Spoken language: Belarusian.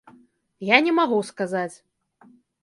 Я не магу сказаць.